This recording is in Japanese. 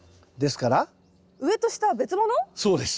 そうです。